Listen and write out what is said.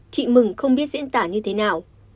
chị mừng không biết diễn tả như thế nào